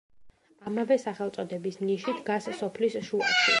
ამავე სახელწოდების ნიში დგას სოფლის შუაში.